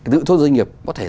tự thân doanh nghiệp có thể